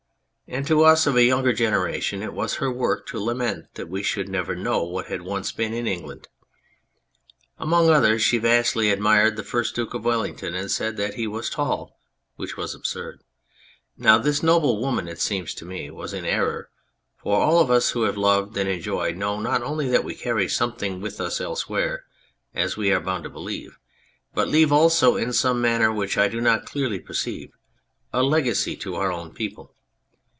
And to us of a younger generation it was her work to lament that we should never know what had once been in England. Among others she vastly admired the first Duke of Wellington, and said that he was tall which was absurd. Now this noble woman, it seems to me, was in error, for all of us who have loved and enjoyed know not only that we carry something with us elsewhere (as we are bound to believe), but leave also in some manner which I do not clearly perceive a legacy to our own people.